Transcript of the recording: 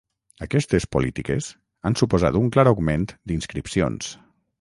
Aquestes polítiques han suposat un clar augment d'inscripcions.